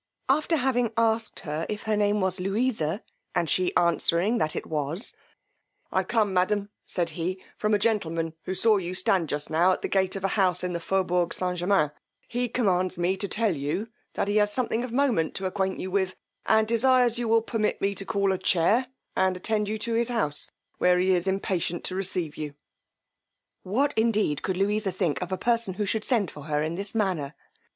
After having asked if her name was Louisa, and she answering that it was, I come, madam, said he, from a gentleman who saw you stand just now at the gate of a house in the Fauxbourg St. Germains, he commands me to tell you, that he has something of moment to acquaint you with, and desires you will permit me to call a chair, and attend you to his house, where he is impatient to receive you. What, indeed, could Louisa think of a person who should send for her in this manner?